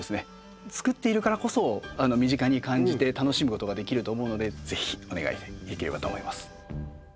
つくっているからこそ身近に感じて楽しむことができると思うのでぜひお願いできればと思います。